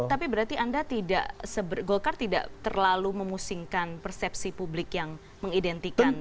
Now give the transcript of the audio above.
tapi berarti anda tidak golkar tidak terlalu memusingkan persepsi publik yang mengidentikan